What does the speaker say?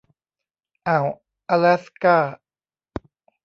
อ่าวอะแลสกา